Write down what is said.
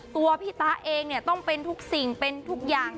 ตัวพี่ตะเองเนี่ยต้องเป็นทุกสิ่งเป็นทุกอย่าง